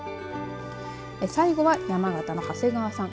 最後は山形の長谷川さん。